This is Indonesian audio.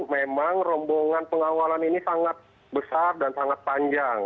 memang rombongan pengawalan ini sangat besar dan sangat panjang